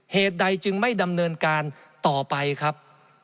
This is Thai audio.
เหตุใดจึงไม่ดำเนินการต่อไปครับ